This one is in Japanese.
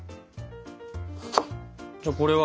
じゃあこれは？